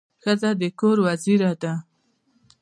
ښځه د کور وزیره ده.